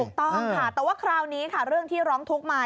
ถูกต้องค่ะแต่ว่าคราวนี้ค่ะเรื่องที่ร้องทุกข์มา